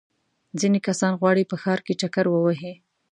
ځینې کسان غواړي په ښار کې چکر ووهي.